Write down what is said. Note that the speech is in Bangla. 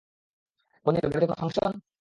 পনির, বাড়িতে কোনো ফাংশন?